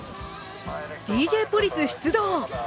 ＤＪポリス出動！